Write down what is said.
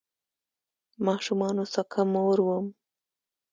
ماشومانو سکه مور وم